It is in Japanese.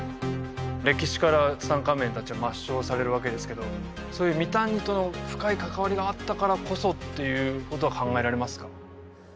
歴史からツタンカーメン達は抹消されるわけですけどそういうミタンニとの深い関わりがあったからこそっていうことは考えられますか？